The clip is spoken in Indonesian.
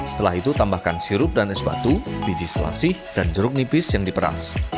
setelah itu tambahkan sirup dan es batu biji selasih dan jeruk nipis yang diperas